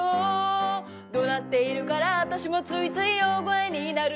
「怒鳴っているから私もついつい大声になる」